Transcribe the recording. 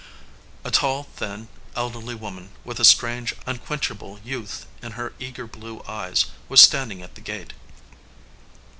A tall, thin, elderly woman, with a strange, un quenchable youth in her eager blue eyes, was stand ing at the gate.